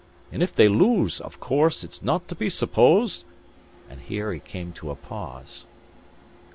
And if they lose, of course, it's not to be supposed " And here he came to a pause.